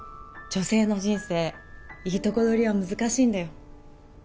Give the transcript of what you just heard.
女性の人生いいとこ取りは難しいんだよ